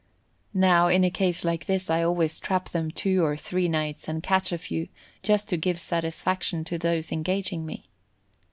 Now, in a case like this I always trap them two or three nights and catch a few, just to give satisfaction to those engaging me.